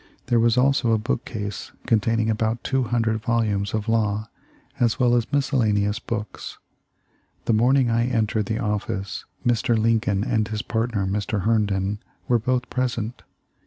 There was also a book case containing about 200 volumes of law as well as miscellaneous books. The morning I en tered the office Mr. Lincoln and his partner, Mr. Herndon, were both present.